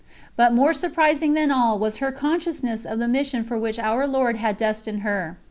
But more surprising than all, was her consciousness of the mission for which Our Lord had destined her.